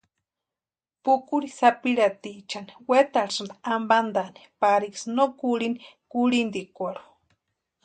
Pʼukuri sapirhatiechani wetarhisïnti ampantaani pariksï no kurhini kurhintikwarhu.